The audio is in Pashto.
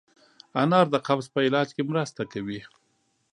انار د قبض په علاج کې مرسته کوي.